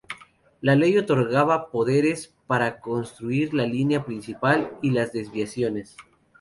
La Ley otorgaba poderes para construir la línea principal y las desviaciones.